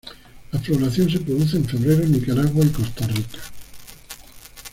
La floración se produce en febrero en Nicaragua y Costa Rica.